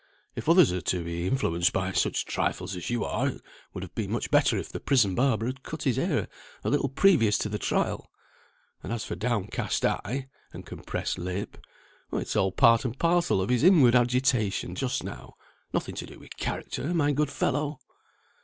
If others are to be influenced by such trifles as you are, it would have been much better if the prison barber had cut his hair a little previous to the trial; and as for down cast eye, and compressed lip, it is all part and parcel of his inward agitation just now; nothing to do with character, my good fellow."